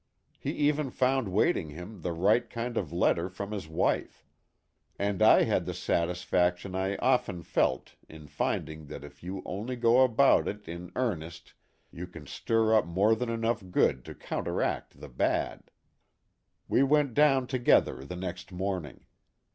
He even found wait ing him the right kind of a letter from his wife. And I had the satisfaction I have often felt in finding that if you only go about it in earnest you can stir up more than enough good to counteract the bad. We went down together the next morning.